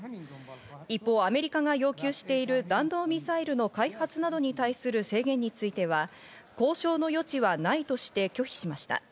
一方、アメリカが要求している弾道ミサイルの開発などに対する制限については、交渉の余地はないとして拒否しました。